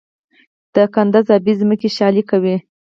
د کندز ابي ځمکې شالې کوي؟